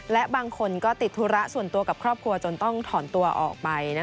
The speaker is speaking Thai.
และบางคนก็ติดธุระส่วนตัวกับครอบครัวจนต้องถอนตัวออกไป